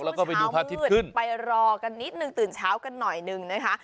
แล้วก็ไปดูพระอาทิตย์ขึ้นไปรอกันนิดนึงตื่นเช้ากันหน่อยนึงนะคะ